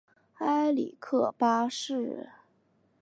埃里克八世。